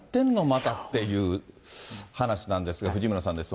またっていう話なんですが、藤村さんです。